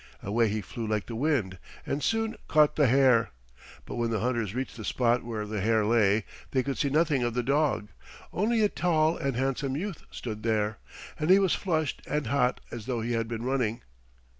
Away he flew like the wind and soon caught the hare. But when the hunters reached the spot where the hare lay they could see nothing of the dog. Only a tall and handsome youth stood there, and he was flushed and hot as though he had been running.